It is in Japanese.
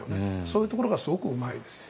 そういうところがすごくうまいです。